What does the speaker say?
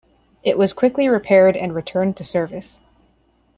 It was quickly repaired and returned to service.